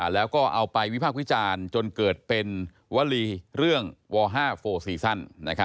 แล้วก็เอาไปวิพากษ์วิจารณ์จนเกิดเป็นวลีเรื่องว๕โฟซีซั่น